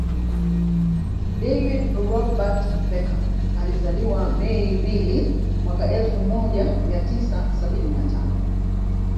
David Robert Beckham alizaliwa Mei Mbili mwaka elfu moja mia tisa sabini na tano